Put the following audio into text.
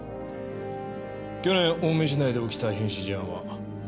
去年青梅市内で起きた変死事案は６件。